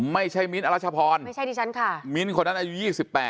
มิ้นท์อรัชพรไม่ใช่ดิฉันค่ะมิ้นคนนั้นอายุ๒๘